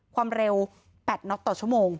ความเร็ว๘น็อกต่อชั่วโมง